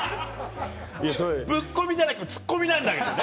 ぶっ込みじゃなくツッコミなんだけどね。